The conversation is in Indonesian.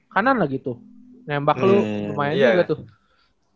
kanan lah gitu nembak lu lumayan juga tuh